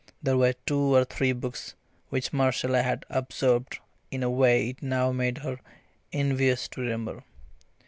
There were two or three books which Marcella had absorbed in a way it now made her envious to remember.